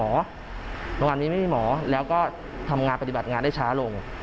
เมื่อวานนี้ไม่มีหมอแล้วก็ทำงานปฏิบัติงานได้ช้าลง